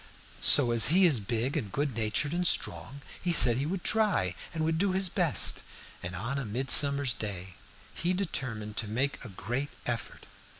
So, as he is big and good natured and strong, he said he would try, and would do his best; and on midsummer's day he determined to make a great effort.